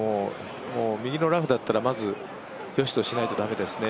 もう、右のラフだったらまずよしとしないと駄目ですね。